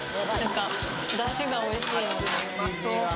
だしがおいしいので。